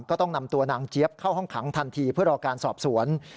ก็ต้องนำตัวนางเจี๊ยบเข้าห้องขังทันทีเพื่อรอการสอบสวน